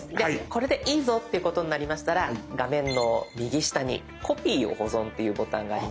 これでいいぞってことになりましたら画面の右下に「コピーを保存」というボタンがありますので。